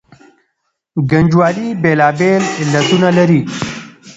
ګنجوالي بېلابېل علتونه لري.